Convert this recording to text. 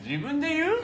言う？